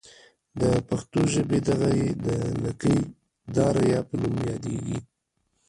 د پښتو ژبې دغه ۍ د لکۍ داره یا په نوم یادیږي.